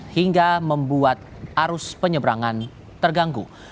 hingga membuat arus penyeberangan terganggu